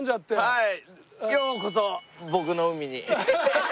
はい。